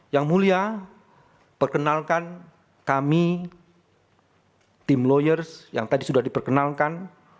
yang mulia perkenalkan kami tim lawyers yang tadi sudah diperkenalkan